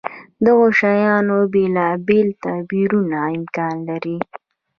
دغو شیانو بېلابېل تعبیرونه امکان لري.